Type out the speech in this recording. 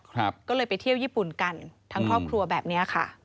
ก็เลยไปเที่ยวญี่ปุ่นกันทั้งครอบครัวแบบเนี้ยค่ะ